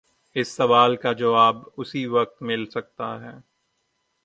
اس سوال کا جواب اسی وقت مل سکتا ہے۔